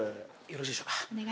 よろしいでしょうか。